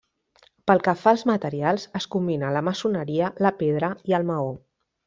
Pel que fa als materials, es combina la maçoneria, la pedra i el maó.